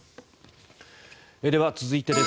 では、続いてです。